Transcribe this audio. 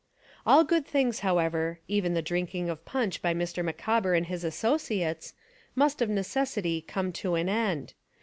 All good things, however, even the drinking of punch by Mr. Micawber and his associates, must of necessity come to an end.